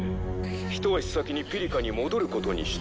「一足先にピリカに戻ることしたよ」